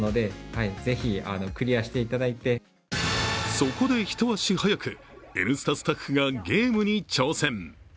そこで、一足早く「Ｎスタ」スタッフがゲームに挑戦。